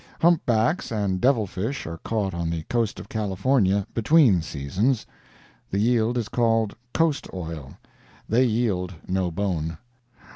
Humpbacks and devil fish are caught on the coast of California, "between seasons." The yield is called "coast oil." They yield no bone.